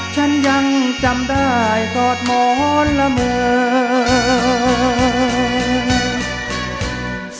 ฉันยังจำได้กอดหมอนละเมิน